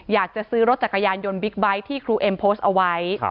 อยากจะซื้อรถจักรยานยนต์บิ๊กไบท์ที่ครูเอ็มโพสต์เอาไว้